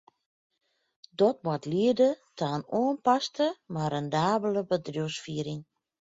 Dat moat liede ta in oanpaste, mar rendabele bedriuwsfiering.